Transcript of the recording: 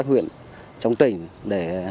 huyện trong tỉnh để